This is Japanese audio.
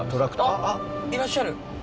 あっいらっしゃる！